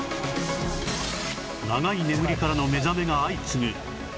長い眠りからの目覚めが相次ぐ噴火